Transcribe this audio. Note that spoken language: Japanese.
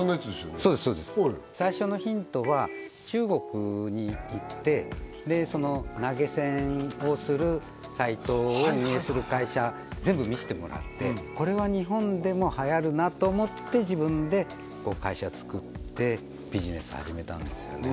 そうです最初のヒントは中国に行って投げ銭をするサイトを運営する会社全部見せてもらってこれは日本でもはやるなと思って自分で会社を作ってビジネス始めたんですよね